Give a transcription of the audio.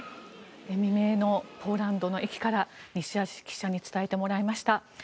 未明のポーランドの駅から西橋記者に伝えてもらいました。